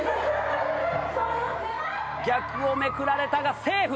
逆をめくられたがセーフ！